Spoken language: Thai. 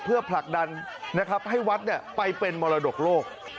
เพื่อผลักดันนะครับให้วัดไปเป็นมรดกโลก